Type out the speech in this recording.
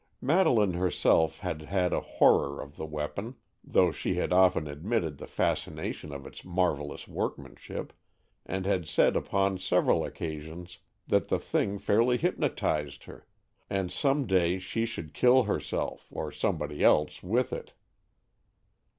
Madeleine herself had had a horror of the weapon, though she had often admitted the fascination of its marvellous workmanship, and had said upon several occasions that the thing fairly hypnotized her, and some day she should kill herself or somebody else with it.